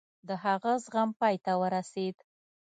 د هغه زغم پای ته ورسېد.